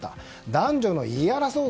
男女の言い争う